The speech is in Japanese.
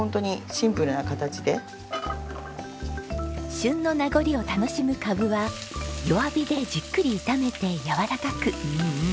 旬の名残を楽しむカブは弱火でじっくり炒めてやわらかく。